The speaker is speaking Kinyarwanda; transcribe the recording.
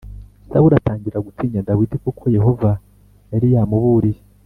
Sawuli atangira gutinya Dawidi kuko Yehova yari yamuburiye